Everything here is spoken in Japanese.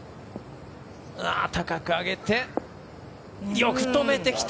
高く上げてよく止めてきた！